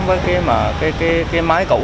với cái máy cũ